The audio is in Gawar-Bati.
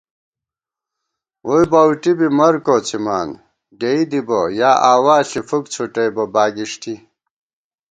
ووئی بَؤٹی بی مَر کوڅِمان ، ڈېئی دِبہ یا آوا ݪی فُک څھُٹَئیبہ باگِݭٹی